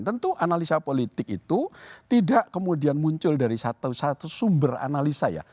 tentu analisa politik itu tidak kemudian muncul dari satu sumber analisa ya